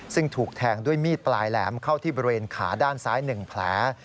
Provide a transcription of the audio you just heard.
ซึ่งถูกแทงด้วยมีดปลายแหลมเข้าที่บริเวณขาด้านซ้าย๑แผล